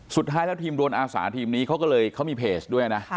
สุดท้ายแล้วทีมโดนอาสาทีมนี้เขาก็เลยเขามีเพจด้วยนะ